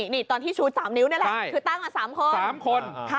นี่ตอนที่ชู๓นิ้วนี่แหละคือตั้งมา๓คน๓คน